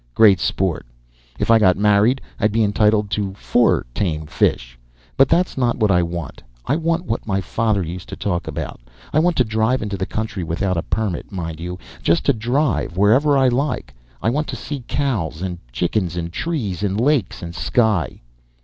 Great sport! If I got married, I'd be entitled to four tame fish. But that's not what I want. I want what my father used to talk about. I want to drive into the country, without a permit, mind you; just to drive wherever I like. I want to see cows and chickens and trees and lakes and sky."